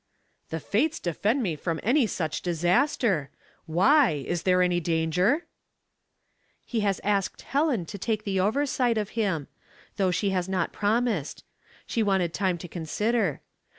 " The fates defend me from any such disaster. Why ! is there any danger ?"" He has asked Helen to take the oversight of him : though she has not promised. She wanted time to consider.